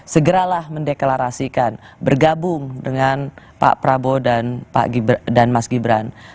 segeralah mendeklarasikan bergabung dengan pak prabowo dan mas gibran